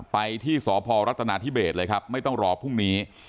ไปที่สพรัฐนาธิเบสเลยครับไม่ต้องรอพรุ่งนี้